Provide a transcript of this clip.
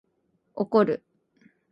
怒る